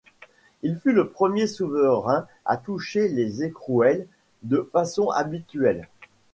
Il fut le premier souverain à toucher les écrouelles de façon habituelle.